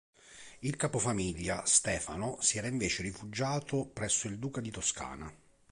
Il capofamiglia, Stefano, si era invece rifugiato presso il duca di Toscana.